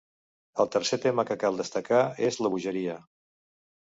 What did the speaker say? El tercer tema que cal destacar és la bogeria.